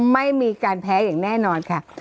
ไม่มีการแพ้อย่างแน่นอนค่ะ